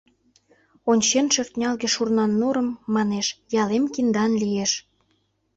Ончен шӧртнялге шурнан нурым, Манеш: «Ялем киндан лиеш».